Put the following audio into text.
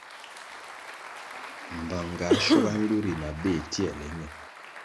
Mbvang ga schuga nlu ri na béh tierle ñe.